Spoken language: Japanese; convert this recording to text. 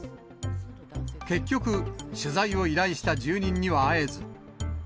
結局、取材を依頼した住人には会えず。